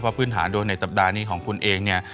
พื้นฐานโดยในสัปดาห์นี้ของคุณเองเนี่ย